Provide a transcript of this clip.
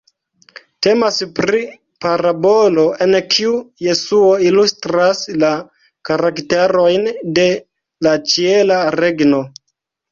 Temas pri parabolo en kiu Jesuo ilustras la karakterojn de la Ĉiela Regno.